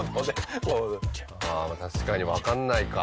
確かにわかんないか。